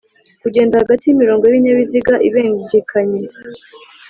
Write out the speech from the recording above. kugenda hagati y’imirongo y’ibinyabiziga ibengikanye